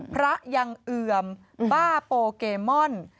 พระยังเอือมป้าโปเกมอน